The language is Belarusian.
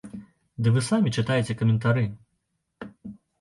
Ды вы самі чытаеце каментары.